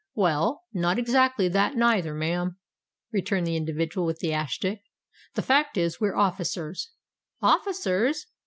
"Well—not exactly that neither, ma'am," returned the individual with the ash stick. "The fact is we're officers——" "Officers!"